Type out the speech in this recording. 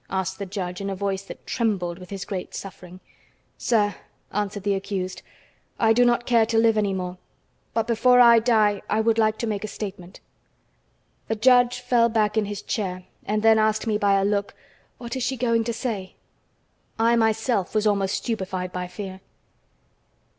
asked the judge, in a voice that trembled with his great suffering. "Sir," answered the accused, "I do not care to live any more, but before I die I would like to make a statement." The judge fell back in his chair and then asked me by a look: "What is she going to say?" I, myself, was almost stupefied by fear.